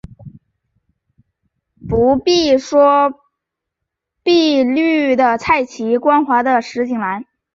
不必说碧绿的菜畦，光滑的石井栏